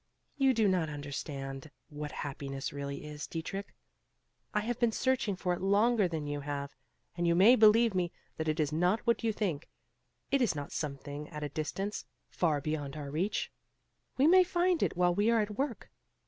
"You do not understand what happiness really is, Dietrich. I have been searching for it longer than you have, and you may believe me that it is not what you think. It is not something at a distance, far beyond our reach; we may find it while we are at work.